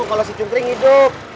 kalau si cungkring hidup